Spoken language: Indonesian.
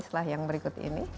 setelah yang berikut ini